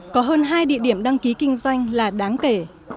có hơn hai địa điểm đăng ký kinh doanh là đáng kể